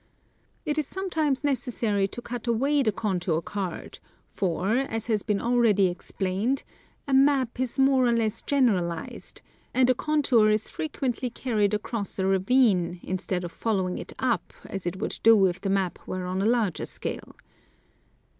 It is sometimes necessary to cut away the contour card ; for, as has been already explained, a map is more or less generalized, and 20 264 National Geographic Magazine. a contour is frequently carried across a ravine, instead of follow ing it up, as it "wonld do if the map were on a larger scale.